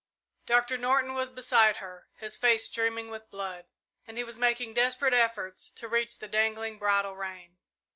Doctor Norton was beside her, his face streaming with blood, and he was making desperate efforts to reach the dangling bridle rein.